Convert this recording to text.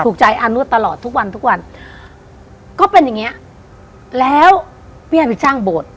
ใจอานวดตลอดทุกวันทุกวันก็เป็นอย่างเงี้ยแล้วเปี้ยไปสร้างโบสถ์